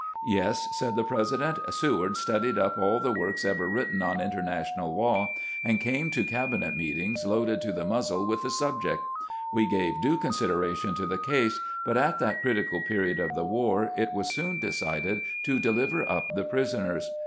"Yes," said the President; "Seward studied up aU the works ever written on international law, and came to cabinet meetings loaded to the muzzle with the subject. We gave due consideration to the case, but at that critical period of the war it was soon decided to deliver up the prisoners.